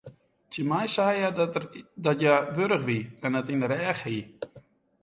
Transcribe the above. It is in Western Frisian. Tsjin my sei hja dat hja wurch wie en it yn de rêch hie.